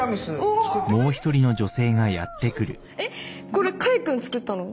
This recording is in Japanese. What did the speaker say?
これカイ君作ったの？